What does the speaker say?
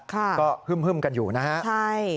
ค่ะค่ะค่ะก็ฮึ่มกันอยู่นะฮะใช่